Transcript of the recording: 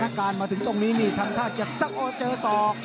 สถานการณ์มาถึงตรงนี้มีคำท่าจะสะโอเจอศอก